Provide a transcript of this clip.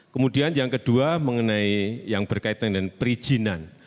kemudian yang kedua mengenai yang berkaitan dengan perizinan